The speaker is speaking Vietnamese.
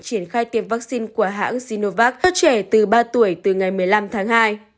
triển khai tiêm vaccine của hãng sinovac các trẻ từ ba tuổi từ ngày một mươi năm tháng hai